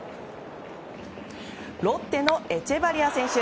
ロッテのエチェバリア選手。